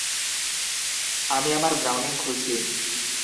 আমি আমার ব্রাউনিং খুলছি!